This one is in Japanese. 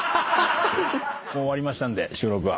もう終わりましたんで収録は。